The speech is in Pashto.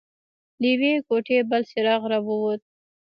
له يوې کوټې بل څراغ راووت.